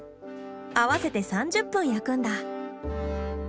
合わせて３０分焼くんだ。